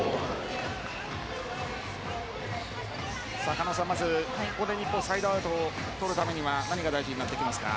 狩野さん、まず日本サイドアウトをとるために何が大事になってきますか。